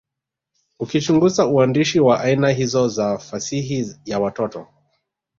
ukichunguza uandishi wa aina hizo za fasihi ya watoto